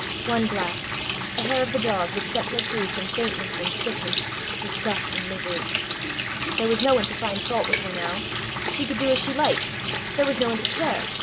One glass a hair of the dog would set her free from faintness and sickness, disgust and misery! There was no one to find fault with her now! She could do as she liked there was no one to care!